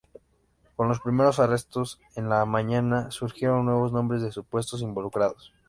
Con los primeros arrestos en la mañana, surgieron nuevos nombres de supuestos involucrados.